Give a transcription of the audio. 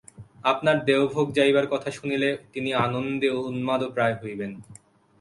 আপনার দেওভোগ যাইবার কথা শুনিলে তিনি আনন্দে উন্মাদপ্রায় হইবেন।